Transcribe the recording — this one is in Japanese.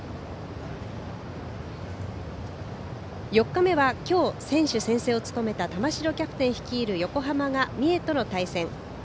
４日目は今日、選手宣誓を務めた玉城キャプテン率いる横浜が三重との対戦。